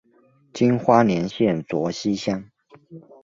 今花莲县卓溪乡。